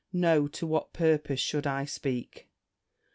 No, to what purpose should I speak?